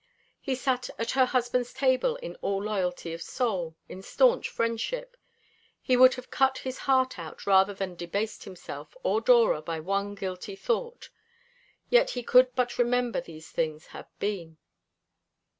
He sat at her husband's table in all loyalty of soul, in staunch friendship. He would have cut his heart out rather than debased himself or Dora by one guilty thought. Yet he could but remember these things had been.